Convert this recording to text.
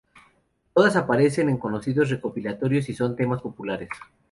Todas aparecen en conocidos recopilatorios y son temas populares.